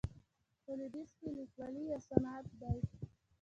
په لویدیځ کې لیکوالي یو صنعت دی.